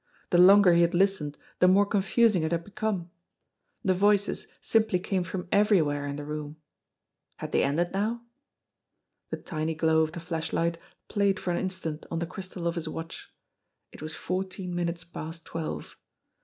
The longer he had listened the more confus THE VOICE 193 ing it had become. The voices simply came from everywhere in the room. Had they ended now? The tiny glow of the flashlight played for an instant on the crystal of his watch. It was fourteen minutes past twelve.